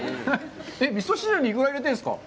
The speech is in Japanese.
味噌汁にいくら入れてるんですか。